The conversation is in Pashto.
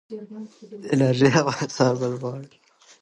بادي انرژي د افغانستان د بڼوالۍ برخه ده.